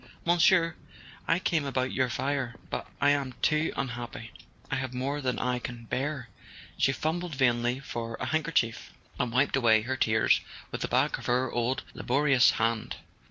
"Monsieur, I came about your fire; but I am too unhappy. I have more than I can bear." She fumbled vainly for a handkerchief, and wiped away her tears w T ith the back of her old laborious hand.